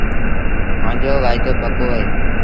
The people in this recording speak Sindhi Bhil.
مآݩجو وآئيٚدوپڪو اهي